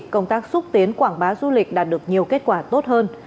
công tác xúc tiến quảng bá du lịch đạt được nhiều kết quả tốt hơn